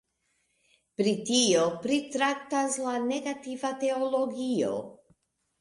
Pri tio pritraktas la negativa teologio.